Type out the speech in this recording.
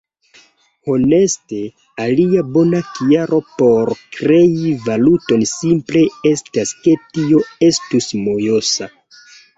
Honeste, alia bona kialo por krei valuton simple estas ke tio estus mojosa.